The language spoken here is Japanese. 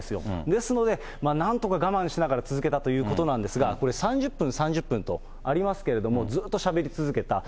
ですのでなんとか我慢しながら続けたということなんですが、これ３０分、３０分とありますけれども、ずっとしゃべり続けた。